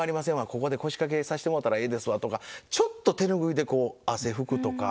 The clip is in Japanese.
ここで腰掛けさしてもろたらええですわ」とかちょっと手拭いでこう汗拭くとか。